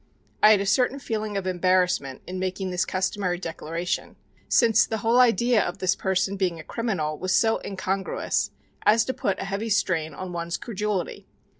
I had a certain feeling of embarrassment in making this customary declaration since the whole idea of this person being a criminal was so incongruous as to put a heavy strain on one's credulity.